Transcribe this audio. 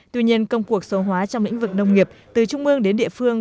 tuy nhiên công cuộc số hóa trong lĩnh vực nông nghiệp từ trung ương đến địa phương